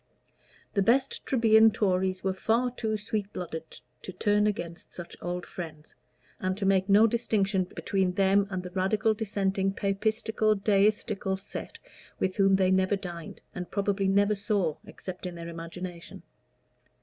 The best Trebian Tories were far too sweet blooded to turn against such old friends, and to make no distinction between them and the Radical, Dissenting, Papistical, Deistical set with whom they never dined, and probably never saw except in their imagination.